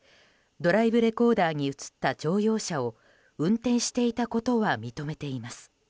ドライブレコーダーに映った乗用車を運転していたことは認めています。